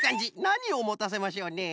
なにをもたせましょうね？